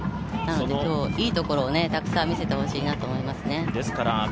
なので、今日、いいところをたくさん見せてほしいなと思います。